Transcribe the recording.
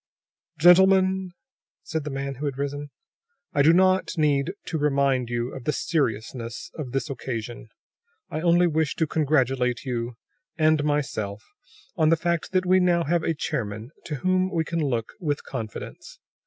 "Gentlemen," said the man who had risen, "I do not need to remind you of the seriousness of this occasion. I only wish to congratulate you, and myself, on the fact that we now have a chairman to whom we can look with confidence.